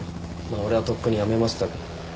俺はとっくにやめましたけど。